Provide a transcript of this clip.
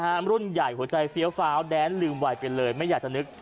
คือทำรุ่นใหญ่หัวใจเฟี้ยวเฟ้าแดดลืมไวไปเลยไม่อยากจะนึก